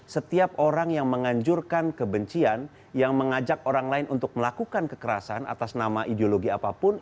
setiap orang yang menganjurkan kebencian yang mengajak orang lain untuk melakukan kekerasan atas nama ideologi apapun